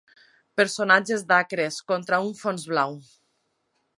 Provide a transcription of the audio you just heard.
Personatges d'Acres, contra un fons blau.